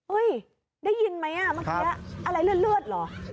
โอ้ยได้ยินไหมเมื่อกี้อะไรเลือดเหรอ